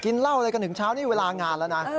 กินเวลาอะไรมาถึงเช้านี้เวลางานแล้วนะ